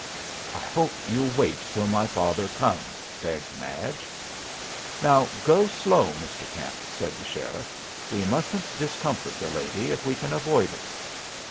"I hope you'll wait till my father comes," begged Madge. "Now go slow, Mr. Camp," said the sheriff. "We mustn't discomfort the lady if we can avoid it."